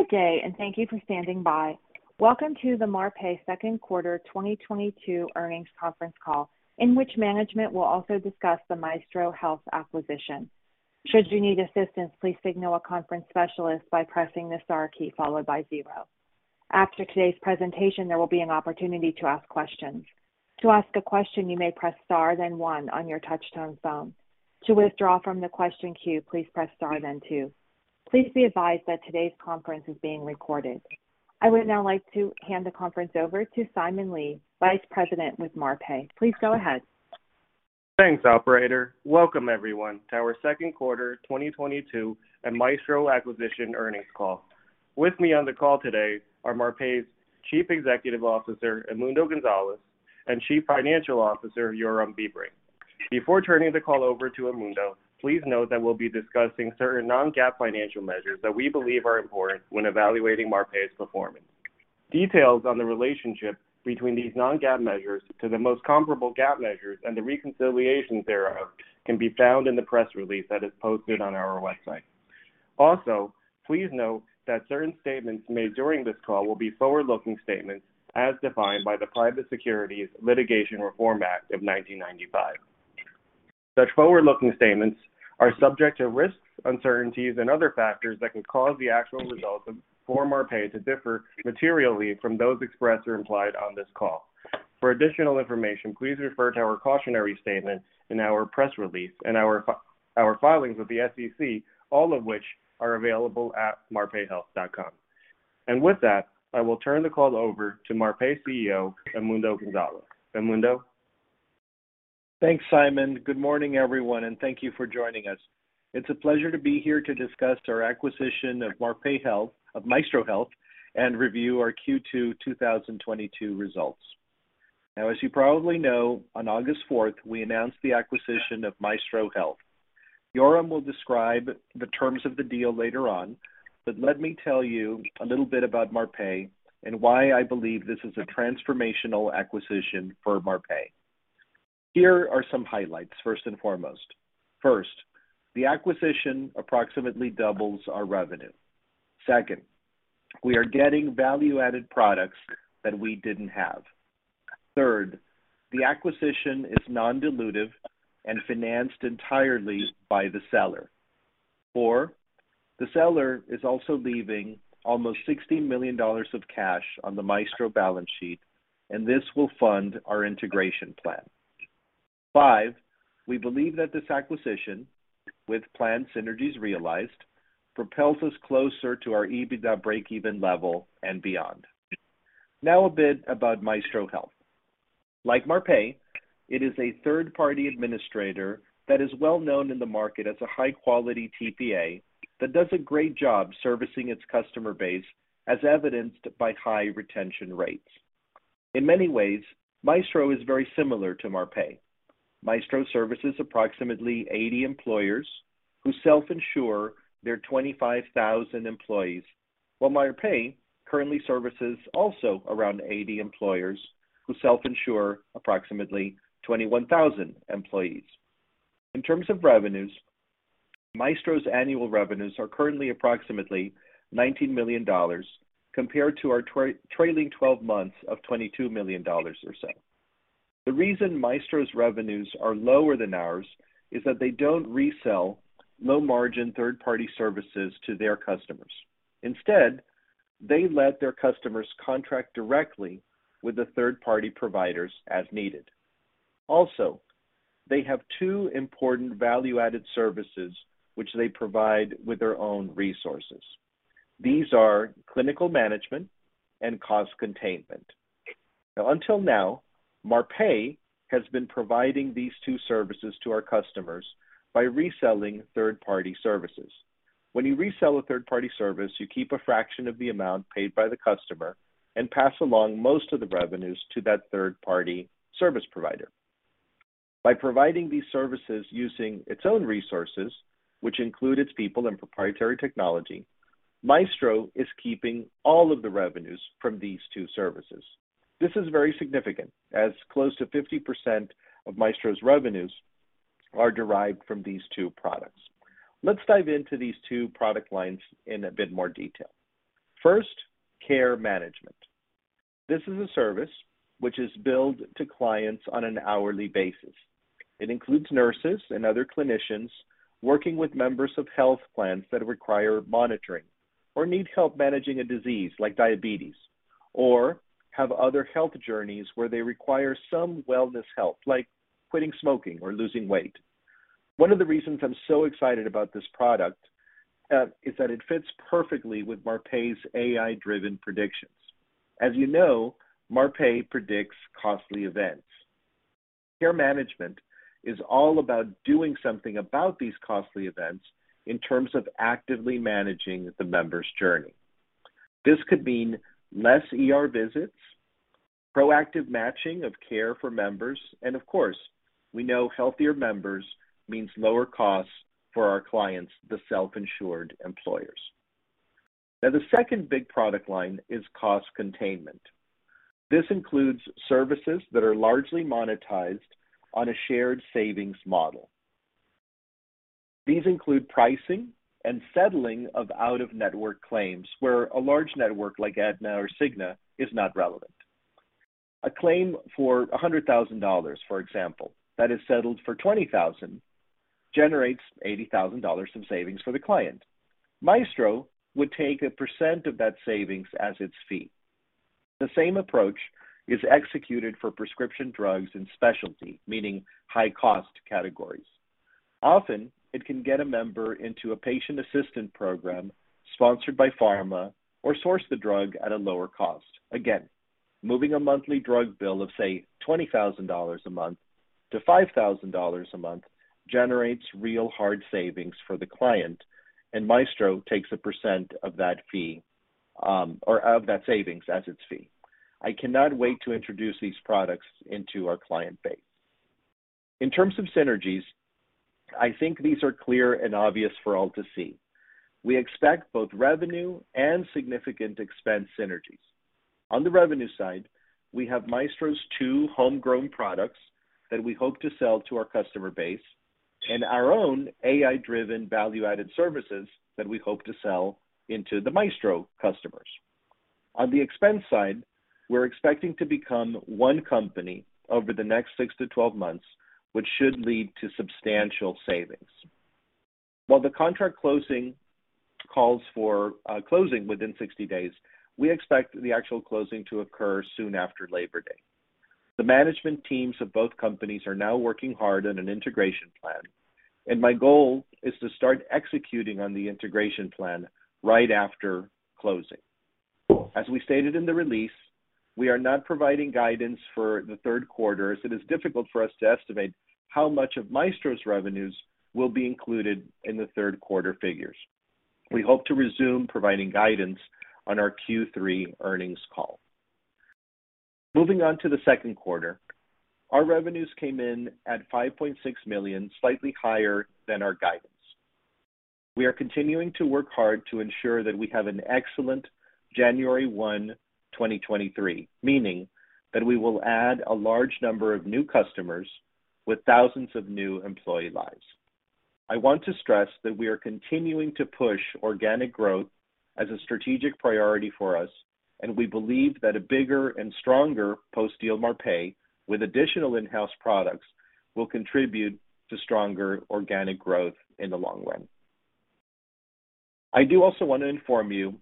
Good day, and thank you for standing by. Welcome to the Marpai Second Quarter 2022 Earnings conference call, in which management will also discuss the Maestro Health acquisition. Should you need assistance, please signal a conference specialist by pressing the star key followed by zero. After today's presentation, there will be an opportunity to ask questions. To ask a question, you may press star then one on your touch-tone phone. To withdraw from the question queue, please press star then two. Please be advised that today's conference is being recorded. I would now like to hand the conference over to Simon Li, Vice President with Marpai. Please go ahead. Thanks, operator. Welcome, everyone, to our second quarter 2022 and Maestro acquisition earnings call. With me on the call today are Marpai's Chief Executive Officer, Edmundo Gonzalez, and Chief Financial Officer, Yoram Bibring. Before turning the call over to Edmundo, please note that we'll be discussing certain non-GAAP financial measures that we believe are important when evaluating Marpai's performance. Details on the relationship between these non-GAAP measures to the most comparable GAAP measures and the reconciliations thereof can be found in the press release that is posted on our website. Also, please note that certain statements made during this call will be forward-looking statements as defined by the Private Securities Litigation Reform Act of 1995. Such forward-looking statements are subject to risks, uncertainties, and other factors that could cause the actual results for Marpai to differ materially from those expressed or implied on this call. For additional information, please refer to our cautionary statements in our press release and our filings with the SEC, all of which are available at marpaihealth.com. With that, I will turn the call over to Marpai CEO, Edmundo Gonzalez. Edmundo? Thanks, Simon. Good morning, everyone, and thank you for joining us. It's a pleasure to be here to discuss our acquisition of Maestro Health and review our Q2 2022 results. Now, as you probably know, on August 4th, we announced the acquisition of Maestro Health. Yoram will describe the terms of the deal later on, but let me tell you a little bit about Marpai and why I believe this is a transformational acquisition for Marpai. Here are some highlights, first and foremost. First, the acquisition approximately doubles our revenue. Second, we are getting value-added products that we didn't have. Third, the acquisition is non-dilutive and financed entirely by the seller. Four, the seller is also leaving almost $60 million of cash on the Maestro balance sheet, and this will fund our integration plan. Fifth, we believe that this acquisition, with planned synergies realized, propels us closer to our EBITDA breakeven level and beyond. Now a bit about Maestro Health. Like Marpai, it is a third-party administrator that is well known in the market as a high-quality TPA that does a great job servicing its customer base, as evidenced to fight high retention rates. In many ways, Maestro is very similar to Marpai. Maestro services approximately 80 employers who self-insure their 25,000 employees, while Marpai currently services also around 80 employers who self-insure approximately 21,000 employees. In terms of revenues, Maestro's annual revenues are currently approximately $19 million compared to our trailing 12 months of $22 million or so. The reason Maestro's revenues are lower than ours is that they don't resell low-margin third-party services to their customers. Instead, they let their customers contract directly with the third-party providers as needed. Also, they have two important value-added services which they provide with their own resources. These are clinical management and cost containment. Now, until now, Marpai has been providing these two services to our customers by reselling third-party services. When you resell a third-party service, you keep a fraction of the amount paid by the customer and pass along most of the revenues to that third-party service provider. By providing these services using its own resources, which include its people and proprietary technology, Maestro is keeping all of the revenues from these two services. This is very significant, as close to 50% of Maestro's revenues are derived from these two products. Let's dive into these two product lines in a bit more detail. First, care management. This is a service which is billed to clients on an hourly basis. It includes nurses and other clinicians working with members of health plans that require monitoring or need help managing a disease like diabetes, or have other health journeys where they require some wellness help, like quitting smoking or losing weight. One of the reasons I'm so excited about this product, is that it fits perfectly with Marpai's AI-driven predictions. As you know, Marpai predicts costly events. Care management is all about doing something about these costly events in terms of actively managing the member's journey. This could mean less ER visits, proactive matching of care for members, and of course, we know healthier members means lower costs for our clients, the self-insured employers. Now the second big product line is cost containment. This includes services that are largely monetized on a shared savings model. These include pricing and settling of out-of-network claims where a large network like Aetna or Cigna is not relevant. A claim for $100,000, for example, that is settled for $20,000, generates $80,000 in savings for the client. Maestro would take a percent of that savings as its fee. The same approach is executed for prescription drugs and specialty, meaning high cost categories. Often, it can get a member into a patient assistance program sponsored by pharma or source the drug at a lower cost. Again, moving a monthly drug bill of, say, $20,000 a month to $5,000 a month generates real hard savings for the client, and Maestro takes a percent of that fee, or of that savings as its fee. I cannot wait to introduce these products into our client base. In terms of synergies, I think these are clear and obvious for all to see. We expect both revenue and significant expense synergies. On the revenue side, we have Maestro's two homegrown products that we hope to sell to our customer base and our own AI-driven value-added services that we hope to sell into the Maestro customers. On the expense side, we're expecting to become one company over the next 6-12 months, which should lead to substantial savings. While the contract closing calls for closing within 60 days, we expect the actual closing to occur soon after Labor Day. The management teams of both companies are now working hard on an integration plan, and my goal is to start executing on the integration plan right after closing. As we stated in the release, we are not providing guidance for the third quarter, as it is difficult for us to estimate how much of Maestro's revenues will be included in the third quarter figures. We hope to resume providing guidance on our Q3 earnings call. Moving on to the second quarter, our revenues came in at $5.6 million, slightly higher than our guidance. We are continuing to work hard to ensure that we have an excellent January 1, 2023, meaning that we will add a large number of new customers with thousands of new employee lives. I want to stress that we are continuing to push organic growth as a strategic priority for us, and we believe that a bigger and stronger post-deal Marpai with additional in-house products will contribute to stronger organic growth in the long run. I do also want to inform you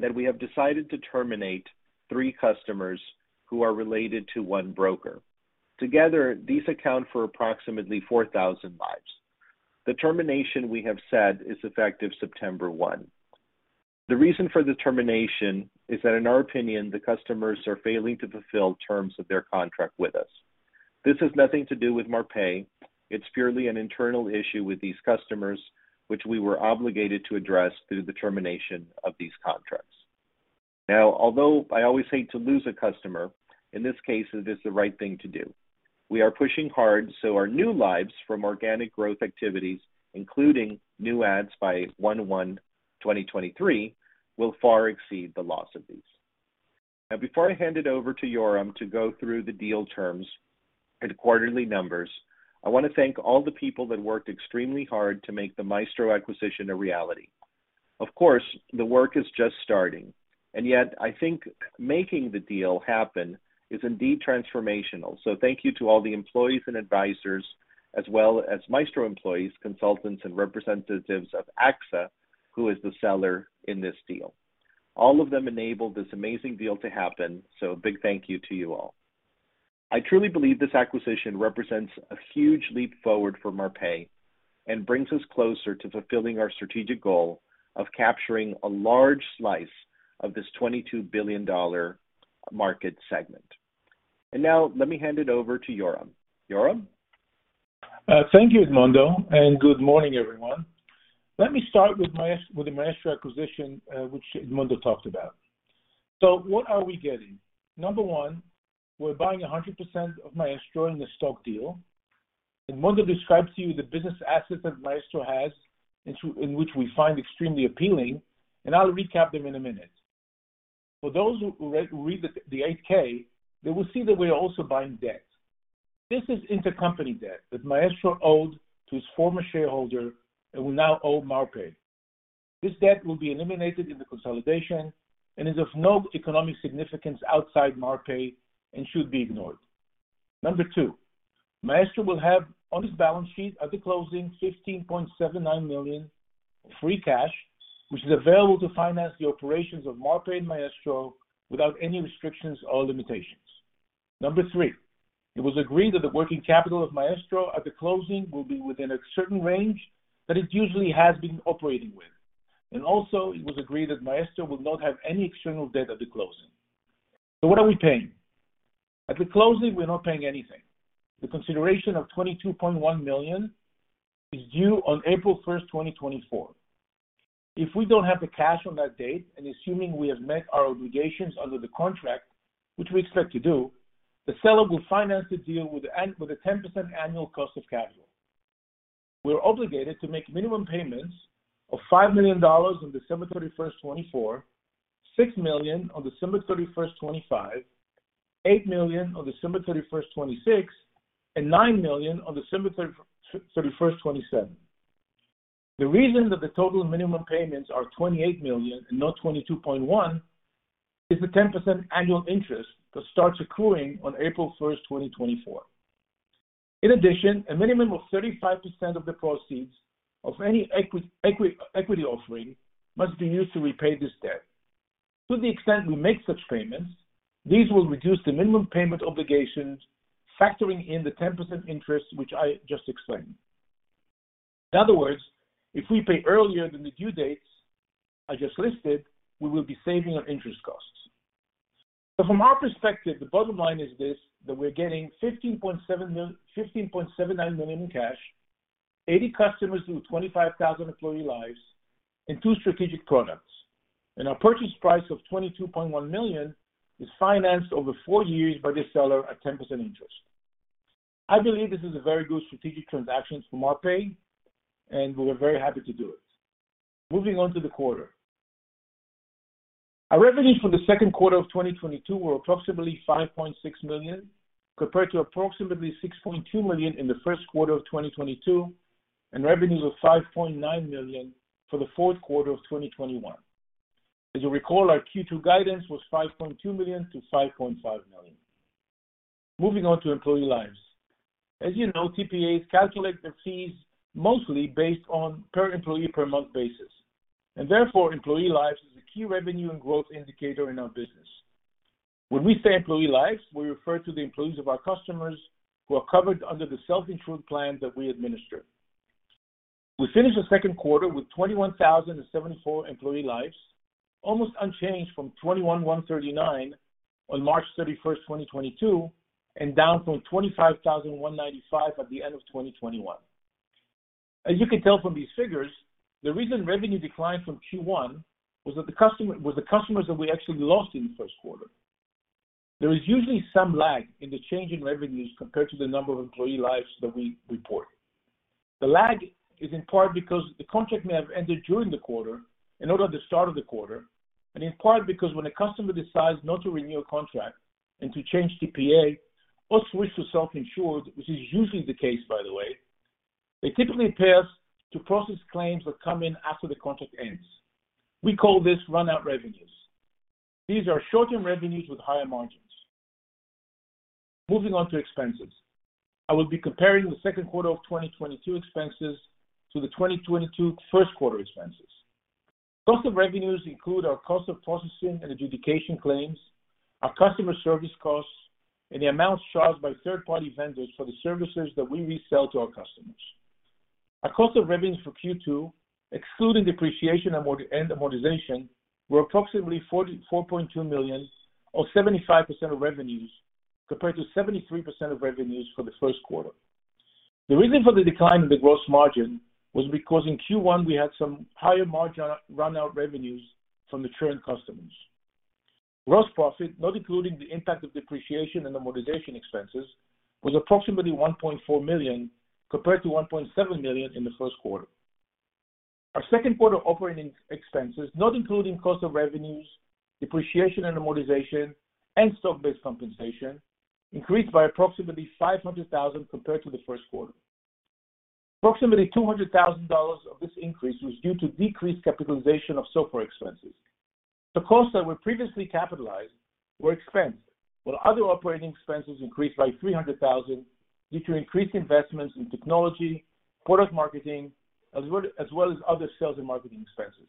that we have decided to terminate three customers who are related to one broker. Together, these account for approximately 4,000 lives. The termination, we have said, is effective September 1. The reason for the termination is that, in our opinion, the customers are failing to fulfill terms of their contract with us. This has nothing to do with Marpai. It's purely an internal issue with these customers, which we were obligated to address through the termination of these contracts. Now, although I always hate to lose a customer, in this case, it is the right thing to do. We are pushing hard so our new lives from organic growth activities, including new ads by 1/1/2023, will far exceed the loss of these. Now before I hand it over to Yoram to go through the deal terms and quarterly numbers, I want to thank all the people that worked extremely hard to make the Maestro acquisition a reality. Of course, the work is just starting, and yet I think making the deal happen is indeed transformational. Thank you to all the employees and advisors, as well as Maestro employees, consultants, and representatives of AXA, who is the seller in this deal. All of them enabled this amazing deal to happen. A big thank you to you all. I truly believe this acquisition represents a huge leap forward for Marpai and brings us closer to fulfilling our strategic goal of capturing a large slice of this $22 billion market segment. Now let me hand it over to Yoram. Yoram? Thank you, Edmundo, and good morning, everyone. Let me start with the Maestro acquisition, which Edmundo talked about. What are we getting? Number one, we're buying 100% of Maestro in the stock deal. Edmundo described to you the business assets that Maestro has, in which we find extremely appealing, and I'll recap them in a minute. For those who re-read the 8-K, they will see that we are also buying debt. This is intercompany debt that Maestro owed to its former shareholder and will now owe Marpai. This debt will be eliminated in the consolidation and is of no economic significance outside Marpai and should be ignored. Number two, Maestro will have on its balance sheet at the closing, $15.79 million free cash, which is available to finance the operations of Marpai and Maestro without any restrictions or limitations. Number three, it was agreed that the working capital of Maestro at the closing will be within a certain range that it usually has been operating with. Also it was agreed that Maestro will not have any external debt at the closing. What are we paying? At the closing, we're not paying anything. The consideration of $22.1 million is due on April 1, 2024. If we don't have the cash on that date and assuming we have met our obligations under the contract, which we expect to do, the seller will finance the deal with a 10% annual cost of capital. We're obligated to make minimum payments of $5 million on December 31st, 2024, $6 million on December 31st, 2025. $8 million on December 31st, 2026, and $9 million on December 31st, 2027. The reason that the total minimum payments are $28 million and not $22.1 million is the 10% annual interest that starts accruing on April 1st, 2024. In addition, a minimum of 35% of the proceeds of any equity offering must be used to repay this debt. To the extent we make such payments, these will reduce the minimum payment obligations, factoring in the 10% interest, which I just explained. In other words, if we pay earlier than the due dates I just listed, we will be saving on interest costs. From our perspective, the bottom line is this, that we're getting $15.79 million in cash, 80 customers with 25 employee lives, and two strategic products. Our purchase price of $22.1 million is financed over four years by the seller at 10% interest. I believe this is a very good strategic transaction for Marpai, and we were very happy to do it. Moving on to the quarter. Our revenues for the second quarter of 2022 were approximately $5.6 million, compared to approximately $6.2 million in the first quarter of 2022, and revenues of $5.9 million for the fourth quarter of 2021. As you recall, our Q2 guidance was $5.2 million-$5.5 million. Moving on to employee lives. As you know, TPAs calculate their fees mostly based on per employee, per month basis, and therefore, employee lives is a key revenue and growth indicator in our business. When we say employee lives, we refer to the employees of our customers who are covered under the self-insured plan that we administer. We finished the second quarter with 21,074 employee lives, almost unchanged from 21,139 on March 31, 2022, and down from 25,195 at the end of 2021. As you can tell from these figures, the reason revenue declined from Q1 was the customers that we actually lost in the first quarter. There is usually some lag in the change in revenues compared to the number of employee lives that we report. The lag is in part because the contract may have ended during the quarter and not at the start of the quarter, and in part because when a customer decides not to renew a contract and to change TPA or switch to self-insured, which is usually the case, by the way, they typically pay us to process claims that come in after the contract ends. We call this runout revenues. These are short-term revenues with higher margins. Moving on to expenses. I will be comparing the second quarter of 2022 expenses to the 2022 first quarter expenses. Cost of revenues include our cost of processing and adjudication claims, our customer service costs, and the amounts charged by third-party vendors for the services that we resell to our customers. Our cost of revenues for Q2, excluding depreciation and amortization, were approximately $44.2 million, or 75% of revenues, compared to 73% of revenues for the first quarter. The reason for the decline in the gross margin was because in Q1 we had some higher margin runout revenues from the current customers. Gross profit, not including the impact of depreciation and amortization expenses, was approximately $1.4 million, compared to $1.7 million in the first quarter. Our second quarter operating expenses, not including cost of revenues, depreciation and amortization, and stock-based compensation, increased by approximately $500,000 compared to the first quarter. Approximately $200,000 of this increase was due to decreased capitalization of software expenses. The costs that were previously capitalized were expensed, while other operating expenses increased by $300,000 due to increased investments in technology, product marketing, as well as other sales and marketing expenses.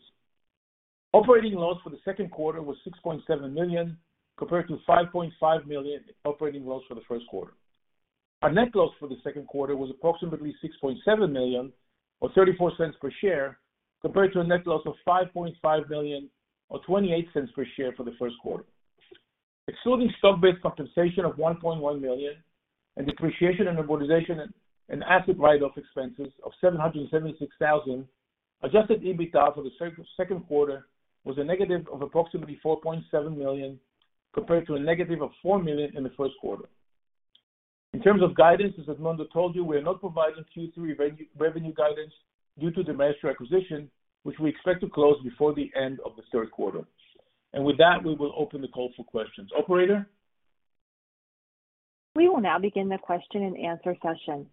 Operating loss for the second quarter was $6.7 million, compared to $5.5 million operating loss for the first quarter. Our net loss for the second quarter was approximately $6.7 million or $0.34 per share, compared to a net loss of $5.5 million or $0.28 per share for the first quarter. Excluding stock-based compensation of $1.1 million and depreciation and amortization and asset write-off expenses of $776,000, Adjusted EBITDA for the second quarter was a negative of approximately $4.7 million, compared to a negative of $4 million in the first quarter. In terms of guidance, as Edmundo told you, we are not providing Q3 revenue guidance due to the Maestro acquisition, which we expect to close before the end of the third quarter. With that, we will open the call for questions. Operator? We will now begin the question and answer session.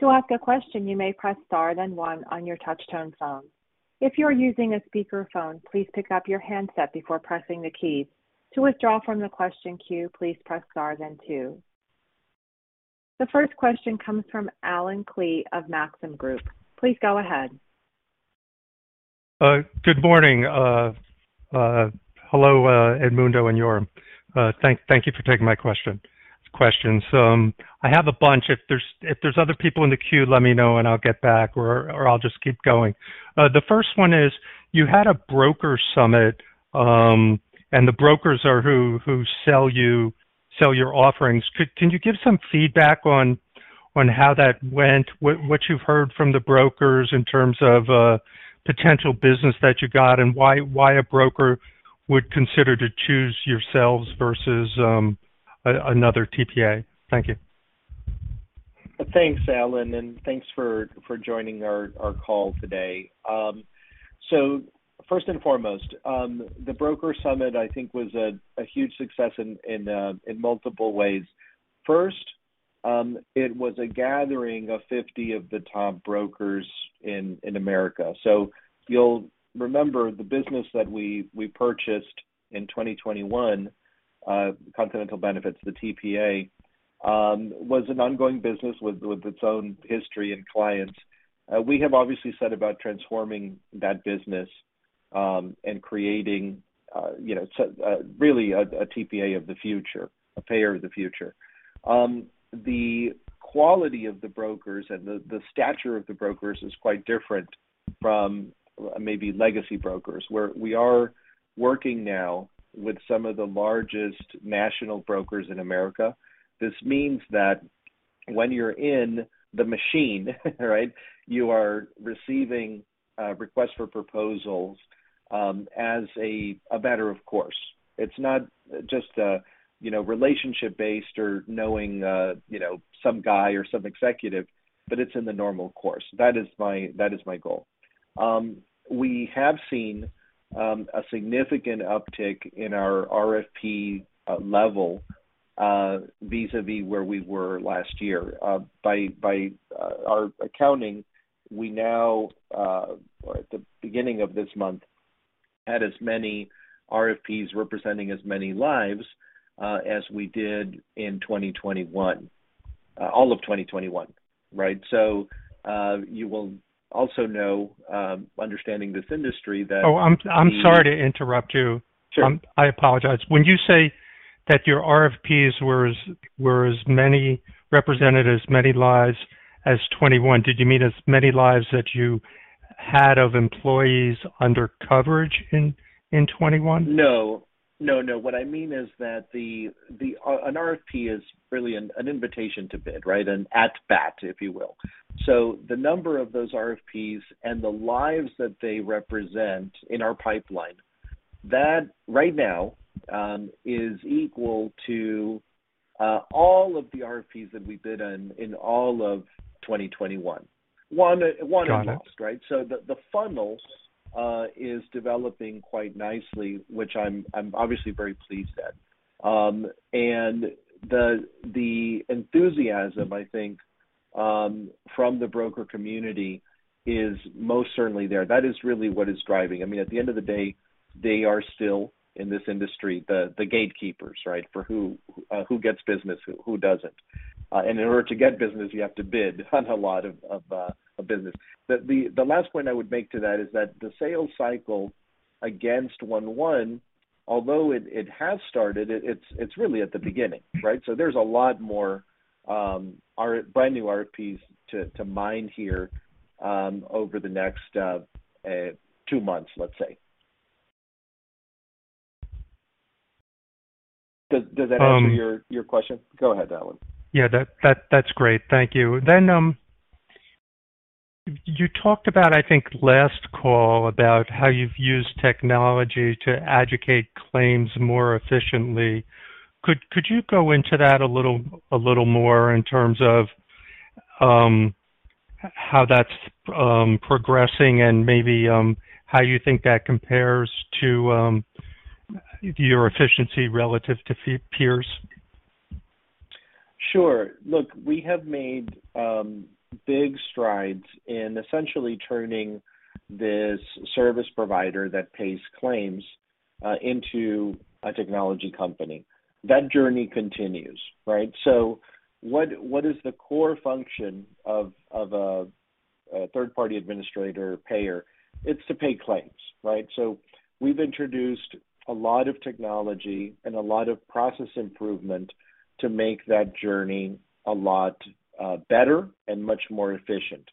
To ask a question, you may press star then one on your touch-tone phone. If you are using a speakerphone, please pick up your handset before pressing the key. To withdraw from the question queue, please press star then two. The first question comes from Allen Klee of Maxim Group. Please go ahead. Good morning. Hello, Edmundo and Yoram. Thank you for taking my questions. I have a bunch. If there's other people in the queue, let me know and I'll get back or I'll just keep going. The first one is, you had a broker summit, and the brokers are who sell your offerings. Can you give some feedback on how that went, what you've heard from the brokers in terms of potential business that you got, and why a broker would consider to choose yourselves versus another TPA? Thank you. Thanks, Allen, and thanks for joining our call today. First and foremost, the broker summit I think was a huge success in multiple ways. First, it was a gathering of 50 of the top brokers in America. You'll remember the business that we purchased in 2021, Continental Benefits, the TPA, was an ongoing business with its own history and clients. We have obviously set about transforming that business and creating, you know, really a TPA of the future, a payer of the future. The quality of the brokers and the stature of the brokers is quite different from maybe legacy brokers, where we are working now with some of the largest national brokers in America. This means that when you're in the machine, right, you are receiving requests for proposals as a matter of course. It's not just a you know, relationship based or knowing you know, some guy or some executive, but it's in the normal course. That is my goal. We have seen a significant uptick in our RFP level vis-à-vis where we were last year. By our accounting, we now at the beginning of this month had as many RFPs representing as many lives as we did in 2021. All of 2021, right? You will also know understanding this industry that Oh, I'm sorry to interrupt you. [crosstallk] Sure. I apologize. When you say that your RFPs were as many represented as many lives as 2021, did you mean as many lives that you had of employees under coverage in 2021? No. No, no. What I mean is that an RFP is really an invitation to bid, right? An at bat, if you will. The number of those RFPs and the lives that they represent in our pipeline, that right now, is equal to all of the RFPs that we bid on in all of 2021. One at most, right? The funnels is developing quite nicely, which I'm obviously very pleased at. The enthusiasm, I think, from the broker community is most certainly there. That is really what is driving. I mean, at the end of the day, they are still in this industry, the gatekeepers, right? For who gets business, who doesn't. In order to get business, you have to bid on a lot of business. The last point I would make to that is that the sales cycle against one-one, although it has started, it's really at the beginning, right? There's a lot more a brand new RFPs to mine here over the next two months, let's say. Does that answer your question? Go ahead, Allen. Yeah, that's great. Thank you. You talked about, I think, last call about how you've used technology to adjudicate claims more efficiently. Could you go into that a little more in terms of how that's progressing and maybe how you think that compares to your efficiency relative to peers? Sure. Look, we have made big strides in essentially turning this service provider that pays claims into a technology company. That journey continues, right? What is the core function of a third-party administrator payer? It's to pay claims, right? We've introduced a lot of technology and a lot of process improvement to make that journey a lot better and much more efficient.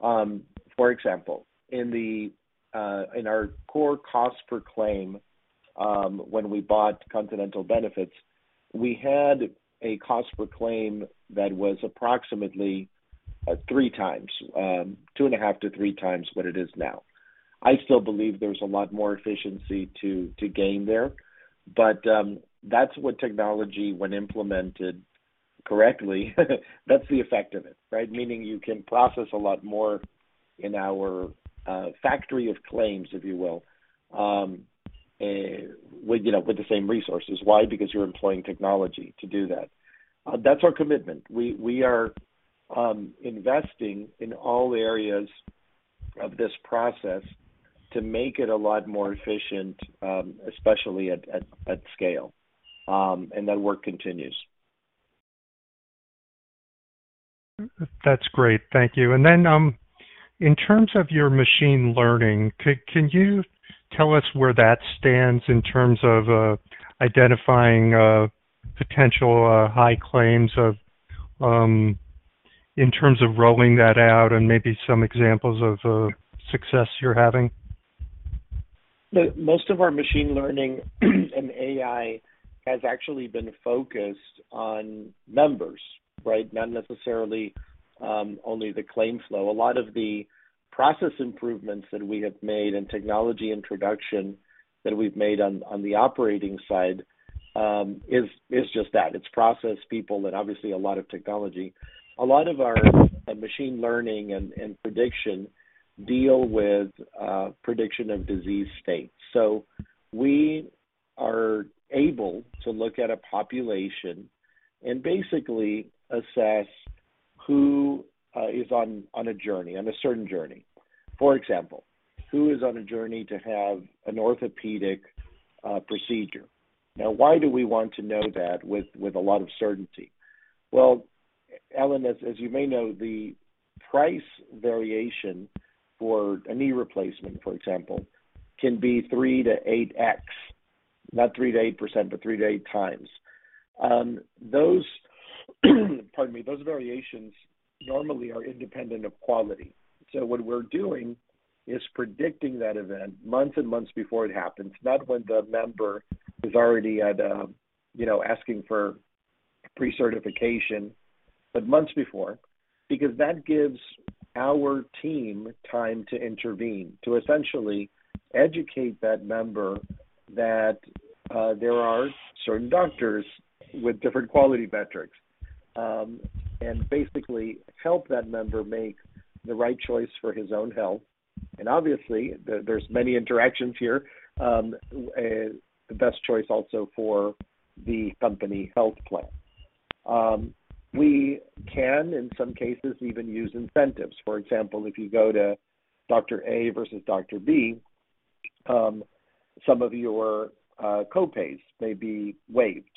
For example, in our core cost per claim, when we bought Continental Benefits, we had a cost per claim that was approximately 3x, 2.5x-3x what it is now. I still believe there's a lot more efficiency to gain there. But that's what technology, when implemented correctly, that's the effect of it, right? Meaning you can process a lot more in our factory of claims, if you will, with you know, with the same resources. Why? Because you're employing technology to do that. That's our commitment. We are investing in all areas of this process to make it a lot more efficient, especially at scale. That work continues. That's great. Thank you. In terms of your machine learning, can you tell us where that stands in terms of identifying potential high claims of in terms of rolling that out and maybe some examples of success you're having? Most of our machine learning and AI has actually been focused on numbers, right? Not necessarily only the claim flow. A lot of the process improvements that we have made and technology introduction that we've made on the operating side is just that. It's process people and obviously a lot of technology. A lot of our machine learning and prediction deal with prediction of disease states. So we are able to look at a population and basically assess who is on a journey on a certain journey. For example, who is on a journey to have an orthopedic procedure? Now why do we want to know that with a lot of certainty? Well, Allen, as you may know, the price variation for a knee replacement, for example, can be 3x-8x. Not 3%-8%, but 3x-8x. Those variations normally are independent of quality. What we're doing is predicting that event months and months before it happens, not when the member is already at a you know asking for pre-certification, but months before. Because that gives our team time to intervene, to essentially educate that member that there are certain doctors with different quality metrics, and basically help that member make the right choice for his own health. Obviously there's many interactions here. The best choice also for the company health plan. We can in some cases even use incentives. For example, if you go to doctor A versus doctor B, some of your co-pays may be waived.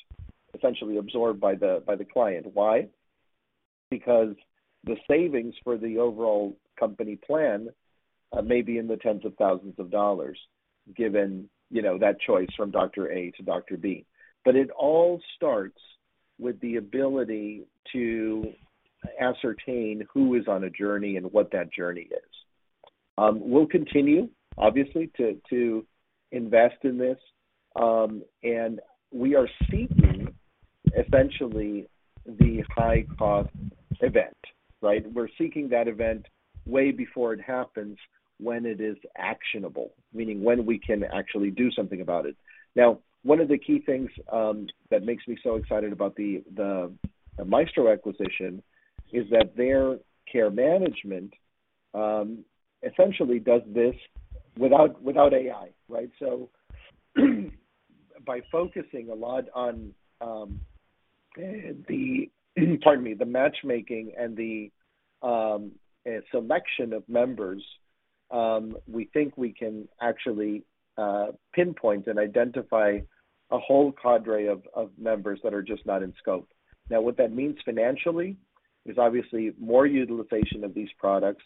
Essentially absorbed by the client. Why? Because the savings for the overall company plan may be in the tens of thousands of dollars given, you know, that choice from doctor A to doctor B. It all starts with the ability to ascertain who is on a journey and what that journey is. We'll continue obviously to invest in this, and we are seeking essentially the high cost event, right? We're seeking that event way before it happens when it is actionable, meaning when we can actually do something about it. Now, one of the key things that makes me so excited about the Maestro acquisition is that their care management essentially does this without AI, right? By focusing a lot on the matchmaking and the selection of members, we think we can actually pinpoint and identify a whole cadre of members that are just not in scope. Now, what that means financially is obviously more utilization of these products.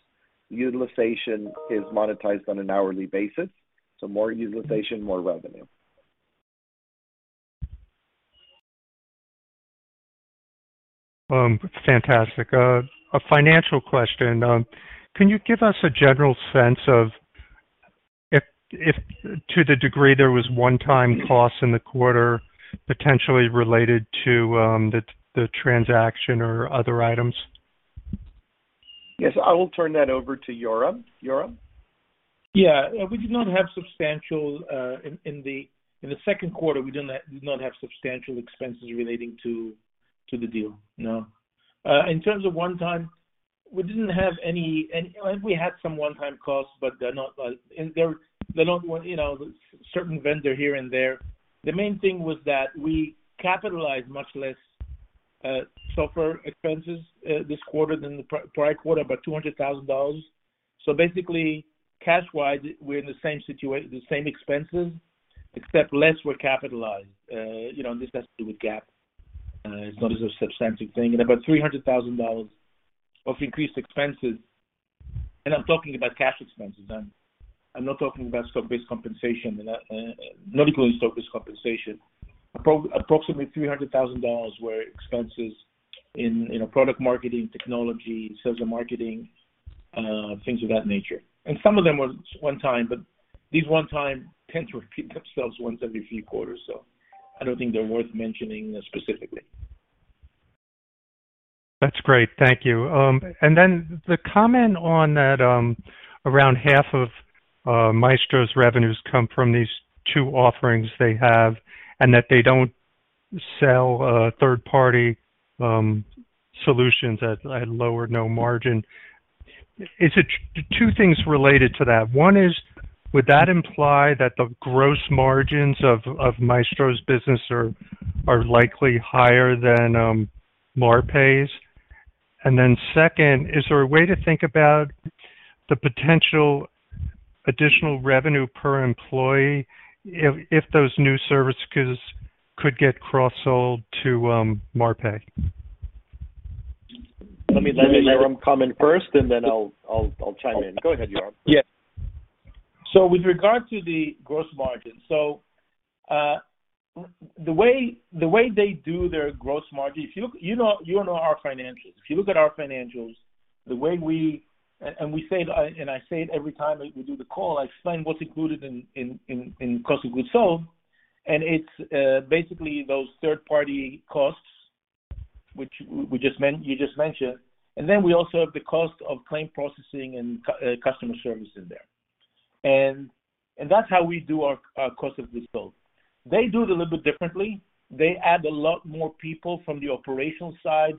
Utilization is monetized on an hourly basis, so more utilization, more revenue. Fantastic. A financial question. Can you give us a general sense of if to the degree there was one-time costs in the quarter potentially related to the transaction or other items? Yes, I will turn that over to Yoram. Yoram? Yeah. We did not have substantial expenses in the second quarter relating to the deal. No. In terms of one-time, we didn't have any. We had some one-time costs, but they're not one, you know, certain vendor here and there. The main thing was that we capitalized much less software expenses this quarter than the prior quarter, about $200,000. Basically, cash-wise, we're in the same expenses, except less were capitalized. This has to do with GAAP. It's not a substantive thing. About $300,000 of increased expenses. I'm talking about cash expenses. I'm not talking about stock-based compensation. Not including stock-based compensation. Approximately $300,000 were expenses in, you know, product marketing, technology, sales and marketing, things of that nature. Some of them were one time, but these one time tend to repeat themselves once every few quarters, so I don't think they're worth mentioning specifically. That's great. Thank you. Then the comment on that, around half of Maestro's revenues come from these two offerings they have, and that they don't sell third-party solutions at lower or no margin. Two things related to that. One is, would that imply that the gross margins of Maestro's business are likely higher than Marpai's? Then second, is there a way to think about the potential additional revenue per employee if those new services could get cross-sold to Marpai? Let me let Yoram comment first, and then I'll chime in. Go ahead, Yoram. Yeah. With regard to the gross margin. The way they do their gross margin, if you look. You know our financials. If you look at our financials, the way we say it, and I say it every time we do the call, I explain what's included in cost of goods sold, and it's basically those third-party costs which you just mentioned. And that's how we do our cost of goods sold. They do it a little bit differently. They add a lot more people from the operational side.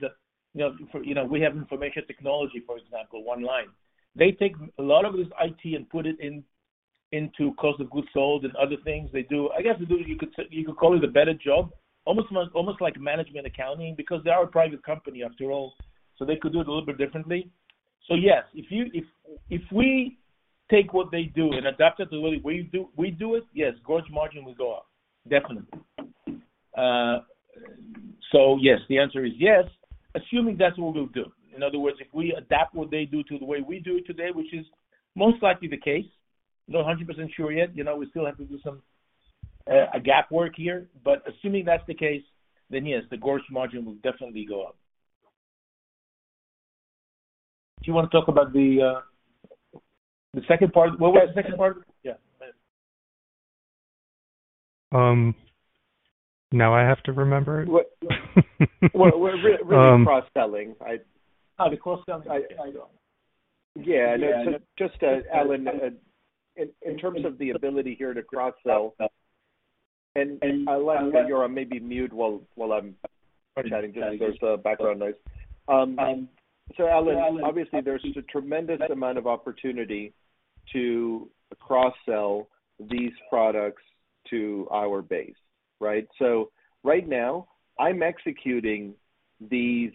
You know, we have information technology, for example, one line. They take a lot of this IT and put it in, into cost of goods sold and other things they do. I guess you could call it a better job, almost like management accounting because they are a private company after all, so they could do it a little bit differently. Yes, if we take what they do and adapt it to the way we do it, yes, gross margin will go up, definitely. Yes, the answer is yes, assuming that's what we'll do. In other words, if we adapt what they do to the way we do it today, which is most likely the case, not 100% sure yet, you know, we still have to do some a gap work here. Assuming that's the case, then yes, the gross margin will definitely go up. Do you wanna talk about the second part? What was the second part? Yeah. Now I have to remember it. What really cross-selling. I- Oh, the cross-selling. I don't. Yeah. It's just Allen, in terms of the ability here to cross-sell, and Allen, you're maybe on mute while I'm chatting because there's the background noise. So Allen, obviously there's a tremendous amount of opportunity to cross-sell these products to our base, right? So right now I'm executing these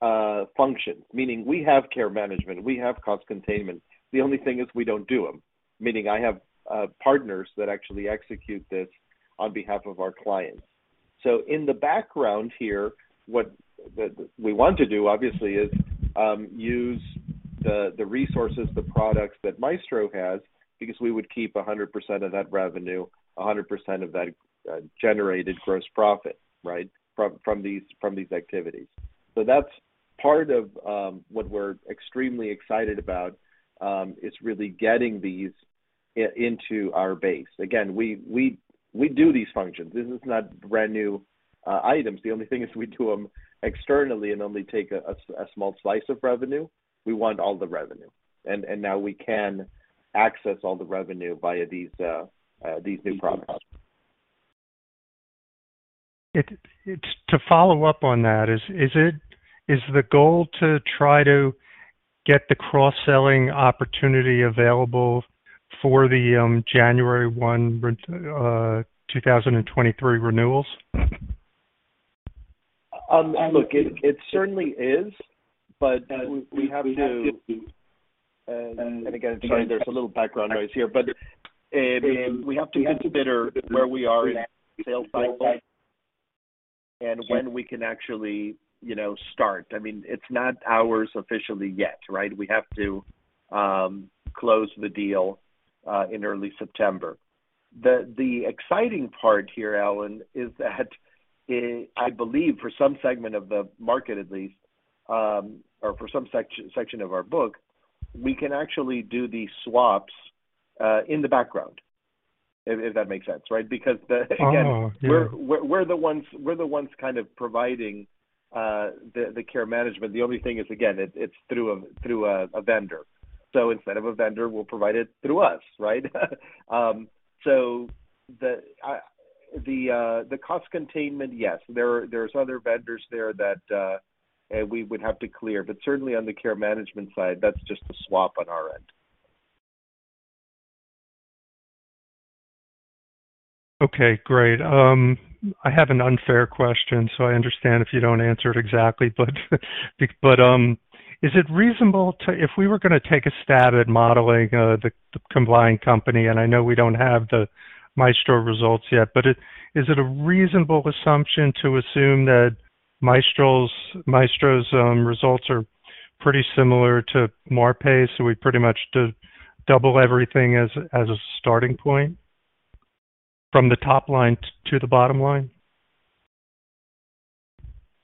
functions, meaning we have care management, we have cost containment. The only thing is we don't do them, meaning I have partners that actually execute this on behalf of our clients. So in the background here, what we want to do obviously is use the resources, the products that Maestro has because we would keep 100% of that revenue, 100% of that generated gross profit, right? From these activities. That's part of what we're extremely excited about is really getting these into our base. Again, we do these functions. This is not brand new items. The only thing is we do them externally and only take a small slice of revenue. We want all the revenue. Now we can access all the revenue via these new products. To follow up on that, is it the goal to try to get the cross-selling opportunity available for the January 1, 2023 renewals? Look, it certainly is, but we have to. Again, sorry, there's a little background noise here. We have to consider where we are in that sales cycle and when we can actually, you know, start. I mean, it's not ours officially yet, right? We have to close the deal in early September. The exciting part here, Allen, is that I believe for some segment of the market at least, or for some section of our book, we can actually do the swaps in the background, if that makes sense, right? Because the Oh, yeah. Again, we're the ones kind of providing the care management. The only thing is, again, it's through a vendor. Instead of a vendor, we'll provide it through us, right? The cost containment, yes. There's other vendors there that we would have to clear. Certainly on the care management side, that's just a swap on our end. Okay, great. I have an unfair question, so I understand if you don't answer it exactly. If we were gonna take a stab at modeling the combined company, and I know we don't have the Maestro results yet, but is it a reasonable assumption to assume that Maestro's results are pretty similar to Marpai, so we pretty much just double everything as a starting point from the top line to the bottom line?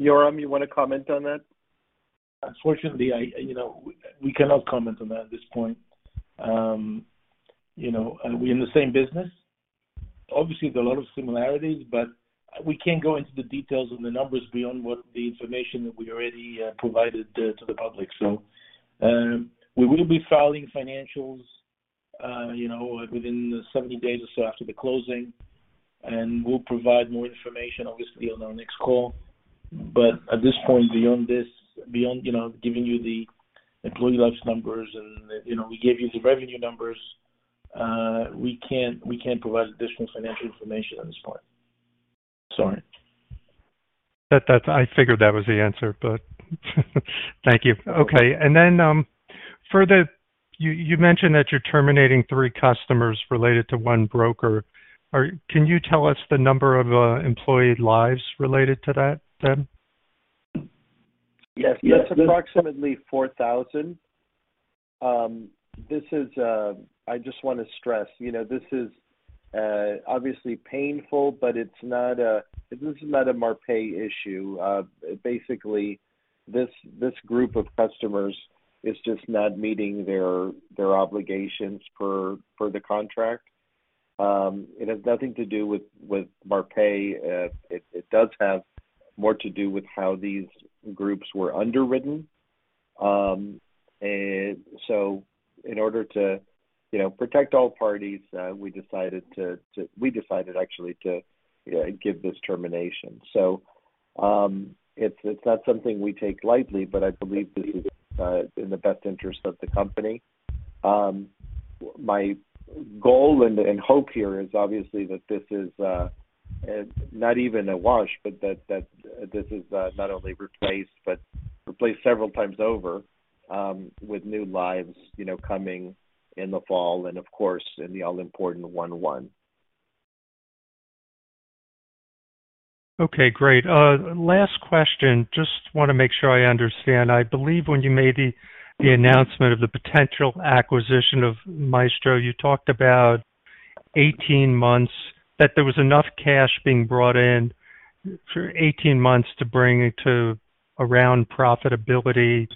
Yoram, you wanna comment on that? Unfortunately, you know, we cannot comment on that at this point. You know, are we in the same business? Obviously, there are a lot of similarities, but we can't go into the details on the numbers beyond what the information that we already provided to the public. We will be filing financials, you know, within 70 days or so after the closing, and we'll provide more information obviously on our next call. At this point, beyond this, you know, giving you the employee life's numbers and, you know, we gave you the revenue numbers, we can't provide additional financial information at this point. Sorry. I figured that was the answer, but thank you. Okay. Further, you mentioned that you're terminating three customers related to one broker. Can you tell us the number of employee lives related to that then? Yes. That's approximately 4,000. This is, I just wanna stress, you know, this is obviously painful, but it's not a, this is not a Marpai issue. Basically, this group of customers is just not meeting their obligations per the contract. It has nothing to do with Marpai. It does have more to do with how these groups were underwritten. In order to, you know, protect all parties, we decided actually to give this termination. It's not something we take lightly, but I believe this is in the best interest of the company. My goal and hope here is obviously that this is not even a wash, but that this is not only replaced, but replaced several times over, with new lives, you know, coming in the fall and of course, in the all-important one-one. Okay, great. Last question. Just wanna make sure I understand. I believe when you made the announcement of the potential acquisition of Maestro, you talked about 18 months, that there was enough cash being brought in for 18 months to bring it to around profitability.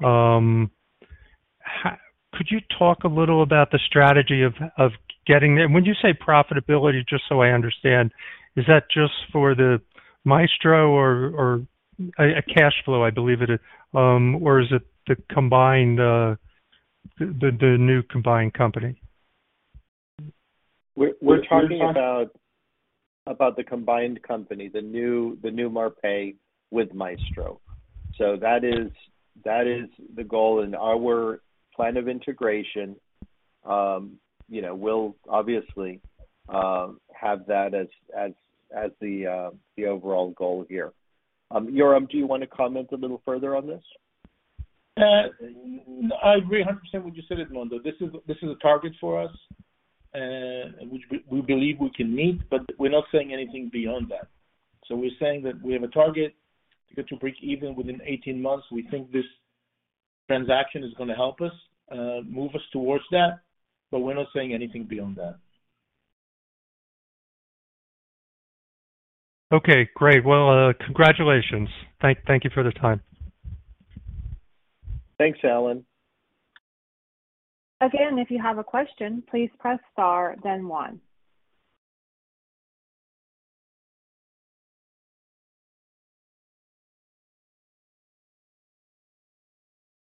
Could you talk a little about the strategy of getting there? When you say profitability, just so I understand, is that just for the Maestro or a cash flow, I believe it is? Or is it the combined, the new combined company? We're talking about the combined company, the new Marpai with Maestro. That is the goal. Our plan of integration will obviously have that as the overall goal here. Yoram, do you wanna comment a little further on this? I agree 100% what you said, Edmundo. This is a target for us, which we believe we can meet, but we're not saying anything beyond that. We're saying that we have a target to get to break even within 18 months. We think this transaction is gonna help us move us towards that, but we're not saying anything beyond that. Okay, great. Well, congratulations. Thank you for the time. Thanks, Allen. Again, if you have a question, please press star then one.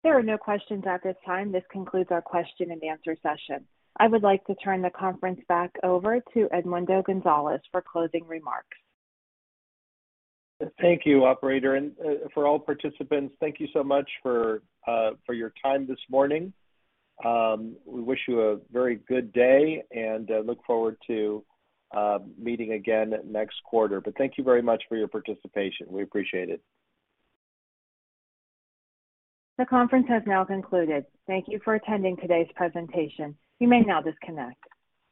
There are no questions at this time. This concludes our question-and-answer session. I would like to turn the conference back over to Edmundo Gonzalez for closing remarks. Thank you, operator. For all participants, thank you so much for your time this morning. We wish you a very good day and look forward to meeting again next quarter. Thank you very much for your participation. We appreciate it. The conference has now concluded. Thank you for attending today's presentation. You may now disconnect.